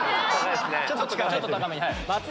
ちょっと高めに。